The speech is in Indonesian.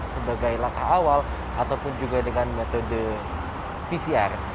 sebagai langkah awal ataupun juga dengan metode pcr